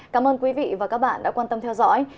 cảm ơn quý vị và các bạn đã quan tâm theo dõi